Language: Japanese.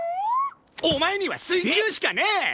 お前には水球しかねえ！